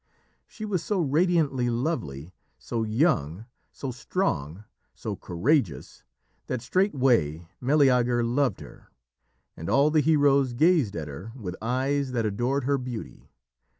She was so radiantly lovely, so young, so strong, so courageous, that straightway Meleager loved her, and all the heroes gazed at her with eyes that adored her beauty.